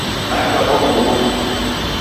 Nakabwa muhuri.